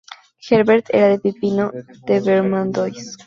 Herbert era hijo de Pipino de Vermandois.